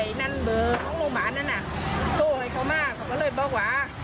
นั่นเบอร์ของโรงพยาบาลนั้นน่ะโทรให้เขามาเขาก็เลยบอกว่า